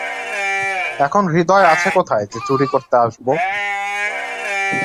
এখন হৃদয় আছে কোথায় যে চুরি করতে আসব?